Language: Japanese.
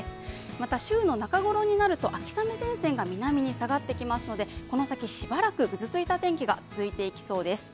また、週の中ごろになると秋雨前線が南に下がってきますので、この先しばらく愚図ついた天気が続いていきそうです。